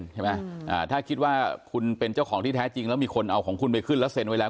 ใช่ไหมถ้าคิดว่าคุณเป็นเจ้าของที่แท้จริงแล้วมีคนเอาของคุณไปขึ้นแล้วเซ็นไว้แล้ว